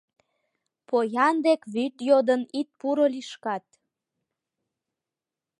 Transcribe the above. Поян дек вӱд йодын ит пуро лишкат.